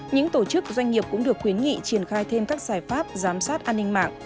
những tổ chức doanh nghiệp cũng được khuyến nghị triển khai thêm các giải pháp giám sát an ninh mạng